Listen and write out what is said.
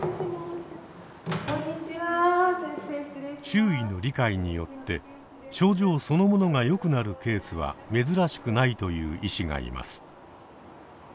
周囲の理解によって症状そのものがよくなるケースは珍しくないと言う医師がいます。